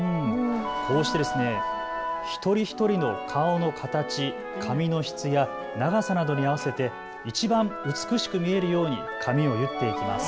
こうして一人一人の顔の形、髪の質や長さなどに合わせていちばん美しく見えるように髪を結っていきます。